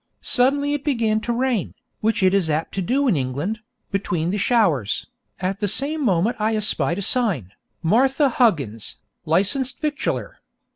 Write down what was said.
Suddenly it began to rain, which it is apt to do in England, between the showers, and at the same moment I espied a sign, 'Martha Huggins, Licensed Victualler.'